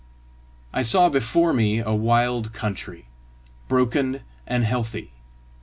I saw before me a wild country, broken and heathy.